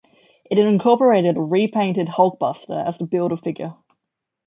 It incorporated a repainted Hulkbuster as the Build-A-Figure.